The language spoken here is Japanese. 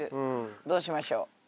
どうしましょう。